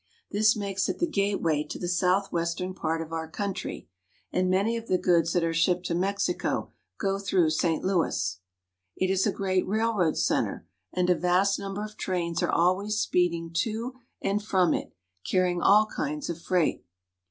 This makes it the gateway to the southwestern part of our country, and many of the goods that are shipped to Mexico go through Union Depot, St. Louis. THE CORN BELT. 159 St. Louis. It Is a great railroad center, and a vast num ber of trains are always speeding to and from it, carrying all kinds of freight.